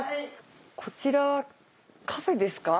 こちらはカフェですか？